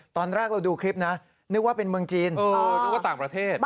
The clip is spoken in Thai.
ตอนแรกเราดูคลิปนะนึกว่าเป็นเมืองจีนนึกว่าต่างประเทศ